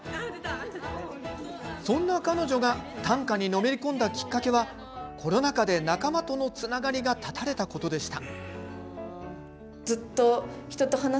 そんな彼女が短歌に、のめり込んだきっかけはコロナ禍で仲間とのつながりが断たれたことでした。